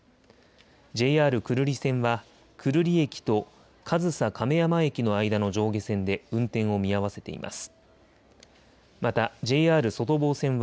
ＪＲ久留里線は、久留里駅と上総亀山駅の間の上下線で運転を見合わせています。